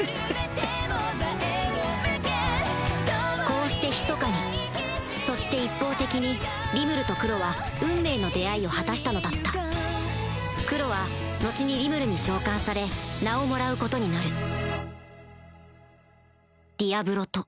こうしてひそかにそして一方的にリムルとクロは運命の出会いを果たしたのだったクロは後にリムルに召喚され名をもらうことになる「ディアブロ」と